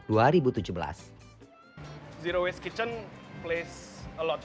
zero waste kitchen berguna banyak